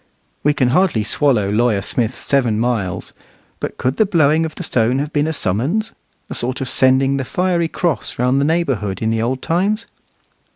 We can hardly swallow Lawyer Smith's seven miles; but could the blowing of the stone have been a summons, a sort of sending the fiery cross round the neighbourhood in the old times?